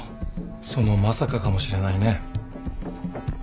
そのまさかかもしれないね。